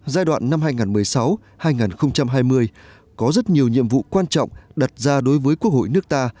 giai đoạn năm hai nghìn một mươi sáu hai nghìn hai mươi có rất nhiều nhiệm vụ quan trọng đặt ra đối với quốc hội nước ta